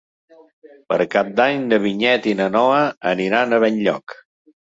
Per Cap d'Any na Vinyet i na Noa aniran a Benlloc.